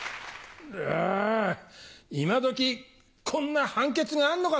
う今どきこんな判決があんのか！